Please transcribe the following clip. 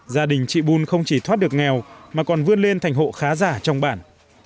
gia đình chị bun không chỉ thoát được nghèo mà còn vươn lên thành hộ khá giả trong bản